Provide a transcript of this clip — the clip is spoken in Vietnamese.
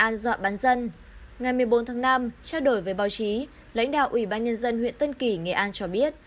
ngày một mươi bốn tháng năm trao đổi với báo chí lãnh đạo ubnd huyện tân kỳ nghệ an cho biết